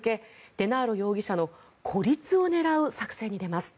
デナーロ容疑者の孤立を狙う作戦に出ます。